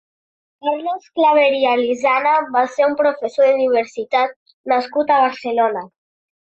Carlos Clavería Lizana va ser un professor d'universitat nascut a Barcelona.